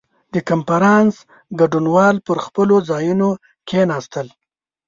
• د کنفرانس ګډونوال پر خپلو ځایونو کښېناستل.